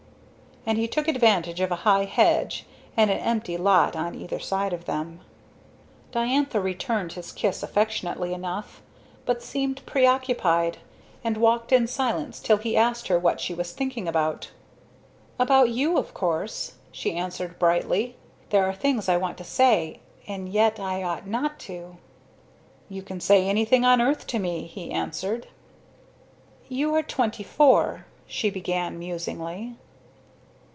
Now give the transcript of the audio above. And he took advantage of a high hedge and an empty lot on either side of them. Diantha returned his kiss affectionately enough, but seemed preoccupied, and walked in silence till he asked her what she was thinking about. "About you, of course," she answered, brightly. "There are things I want to say; and yet I ought not to." "You can say anything on earth to me," he answered. "You are twenty four," she began, musingly.